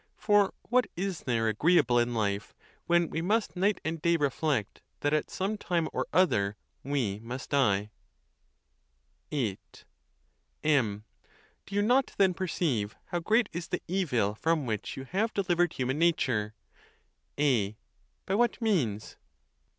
for what is there agreeable in life, when we must night and day reflect that, at some time or other, we' must die ? VIL M. Do: you not, then, perceive how great is the evil from which you have delivered human nature? A. By what means?